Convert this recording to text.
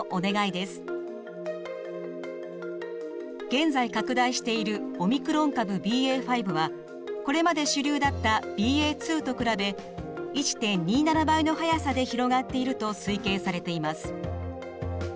現在拡大しているオミクロン株ＢＡ．５はこれまで主流だったＢＡ．２と比べ１．２７倍の速さで広がっていると推計されています。